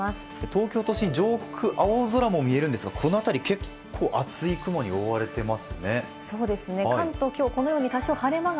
東京都心、上空は青空も見えるんですが、この辺り、結構厚い雲に覆われてますね。